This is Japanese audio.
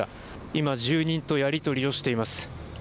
今、住人とやり取りをしています。